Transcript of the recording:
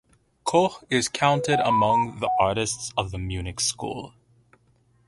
Koch is counted among the artists of the "Munich School".